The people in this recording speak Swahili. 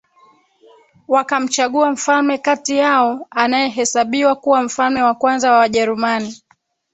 Wakamchagua mfalme kati yao anayehesabiwa kuwa mfalme wa kwanza wa Wajerumani